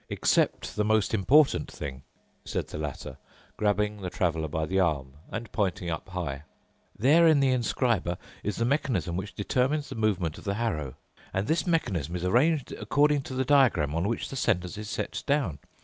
"Except the most important thing," said the latter, grabbing the Traveler by the arm and pointing up high. "There in the inscriber is the mechanism which determines the movement of the harrow, and this mechanism is arranged according to the diagram on which the sentence is set down.